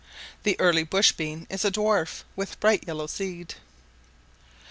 The early bush bean is a dwarf, with bright yellow seed.